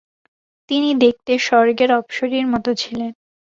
তিনি দেখতে "স্বর্গের অপ্সরী"র মত ছিলেন।